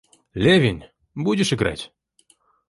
Левин, будешь играть?